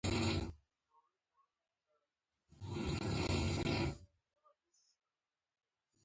میینه ده ورکه په دغه ښار کې